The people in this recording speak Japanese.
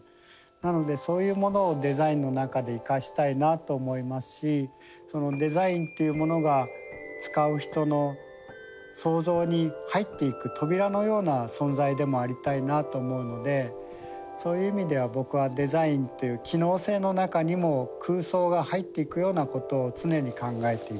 なのでそういうものをデザインの中で生かしたいなと思いますしそのデザインというものが使う人の想像に入っていく扉のような存在でもありたいなと思うのでそういう意味では僕はデザインという機能性の中にも空想が入っていくようなことを常に考えています。